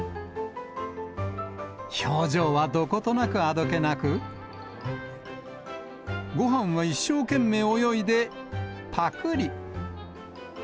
表情はどことなくあどけなく、ごはんは一生懸命泳いで、ぱくり。